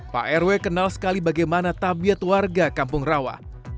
pak rw kenal sekali bagaimana tabiat warga kampung rawa